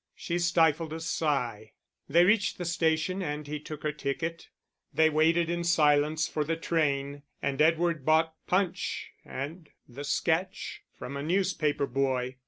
She stifled a sigh. They reached the station and he took her ticket. They waited in silence for the train, and Edward bought Punch and The Sketch from a newspaper boy.